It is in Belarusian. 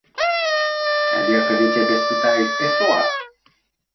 Але калі цябе спытаюць ты хто?